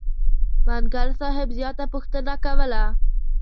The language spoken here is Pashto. منګل صاحب زیاته پوښتنه کوله.